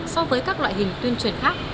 so với các loại hình tuyên truyền khác